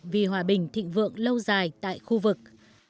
vì hòa bình thịnh vượng lâu dài tại khu vực